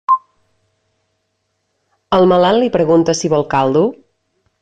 Al malalt li preguntes si vol caldo?